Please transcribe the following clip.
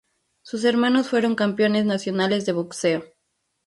Sus hermanos fueron campeones nacionales de boxeo.